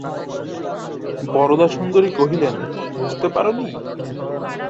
বরদাসুন্দরী কহিলেন, বুঝতে পার নি!